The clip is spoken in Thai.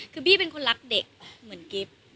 คือบี้เป็นคนรักเด็กเหมือนกิฟต์